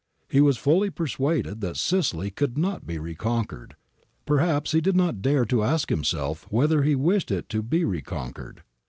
He was fully persuaded that Sicily could not be reconquered — perhaps he did not dare to ask himself w^hether he wished it to be re conquered.